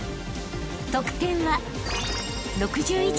［得点は］